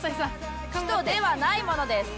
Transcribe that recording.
首都ではないものです。